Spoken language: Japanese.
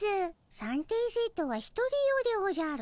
三点セットは１人用でおじゃる。